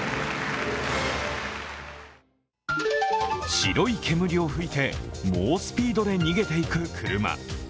白い煙を噴いて猛スピードで逃げていく車。